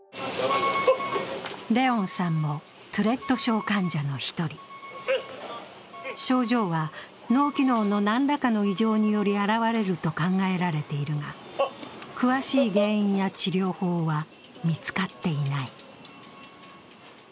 怜音さんもトゥレット症患者の１人症状は脳機能の何らかの異常により現れると考えられているが詳しい原因や治療法は見つかっていない。